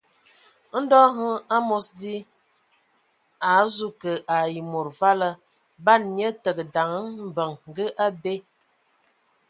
Ndɔ hm, amos di, a azu kə ai mod vala, ban nye təgə daŋ mbəŋ ngə abe.